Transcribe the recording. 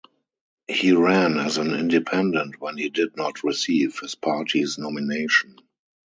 He ran as an independent when he did not receive his party's nomination.